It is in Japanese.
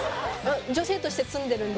女性として詰んでるんで。